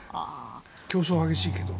競争が激しいけど。